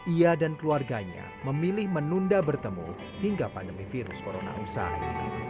ia dan keluarganya memilih menunda bertemu hingga pandemi virus corona usai